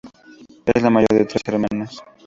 Es la mayor de tres hermanas.